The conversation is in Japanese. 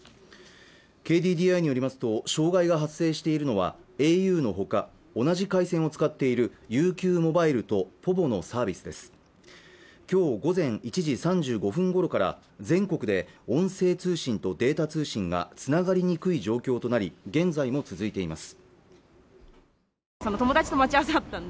ＫＤＤＩによりますと障害が発生しているのはａｕのほか同じ回線を使っているＵＱｍｏｂｉｌｅとｐｏｖｏのサービスです今日午前１時３５分ごろから全国で音声通信とデータ通信がつながりにくい状況となり現在も続いています